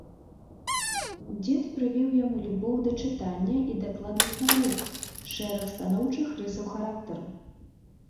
Дзед прывіў яму любоў да чытання і дакладных навук, шэраг станоўчых рысаў характару.